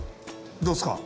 どうですか？